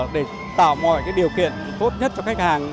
để tạo mọi điều kiện tốt nhất cho khách hàng